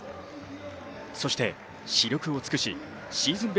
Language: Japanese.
そして死力を尽くしシーズン